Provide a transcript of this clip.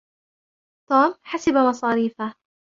توم حسب مصاريفَهُ.